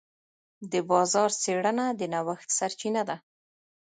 د بازار څېړنه د نوښت سرچینه ده.